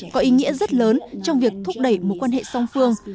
có ý nghĩa rất lớn trong việc thúc đẩy mối quan hệ song phương